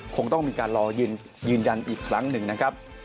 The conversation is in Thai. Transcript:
คงต้องมีการรอยืนยันอีกครั้งหนึ่งนะครับ